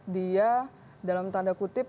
dia dalam tanda kutip